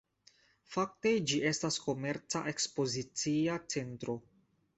Fakte ĝi estas komerca-ekspozicia centro.